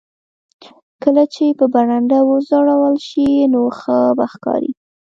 کله چې په برنډه وځړول شي نو ښه به ښکاري